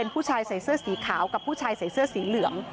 ผู้ชายใส่เสื้อสีขาวกับผู้ชายใส่เสื้อสีเหลือง